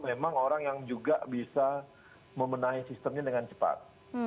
memang orang yang juga bisa memenahi sistemnya dengan cepat